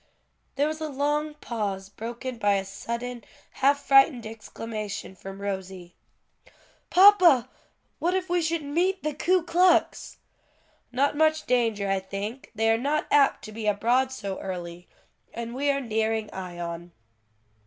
There was a long pause broken by a sudden, half frightened exclamation from Rosie. "Papa! what if we should meet the Ku Klux!" "Not much danger, I think: they are not apt to be abroad so early. And we are nearing Ion."